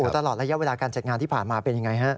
ตลอดระยะเวลาการจัดงานที่ผ่านมาเป็นยังไงฮะ